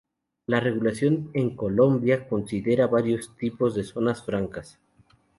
La regulación en Colombia considera varios tipos de zonas francas.